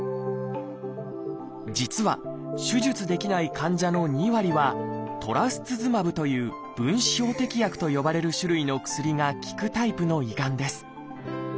実は手術できない患者の２割は「トラスツズマブ」という「分子標的薬」と呼ばれる種類の薬が効くタイプの胃がんです。